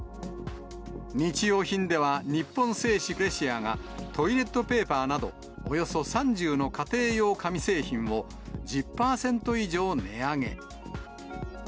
日用品では、日本製紙クレシアが、トイレットペーパーなど、およそ３０の家庭用紙製品を１０％以上値上げ。